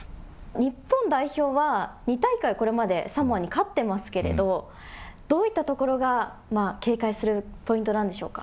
日本代表は、２大会、これまでサモアに勝ってますけれど、どういったところが警戒するポイントなんでしょうか。